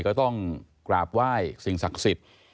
ก็ต้องกราบไหว้สิ่งศักดิ์สิทธิ์